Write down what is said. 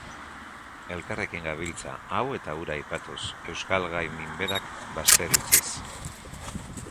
Elkarrekin gabiltza, hau eta hura aipatuz, euskal gai minberak bazter utziz.